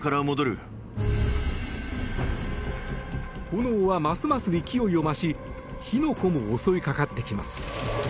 炎はますます勢いを増し火の粉も襲いかかってきます。